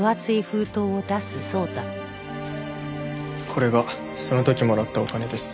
これがその時もらったお金です。